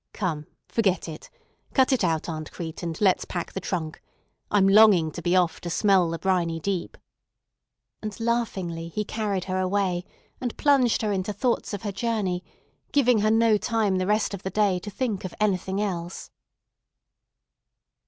Come, forget it. Cut it out, Aunt Crete, and let's pack the trunk. I'm longing to be off to smell the briny deep." And laughingly he carried her away, and plunged her into thoughts of her journey, giving her no time the rest of the day to think of anything else.